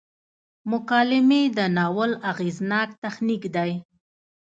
مکالمې د ناول اغیزناک تخنیک دی.